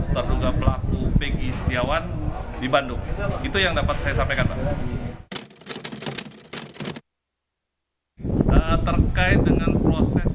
terduga pelaku pegi setiawan di bandung itu yang dapat saya sampaikan pak terkait dengan proses